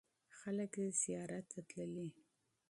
خلک یې زیارت ته تللي.